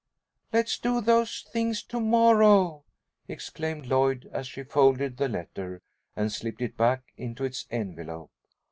"Let's do those things to morrow," exclaimed Lloyd, as she folded the letter and slipped it back into its envelope.